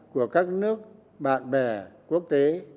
của các nước bạn bè quốc tế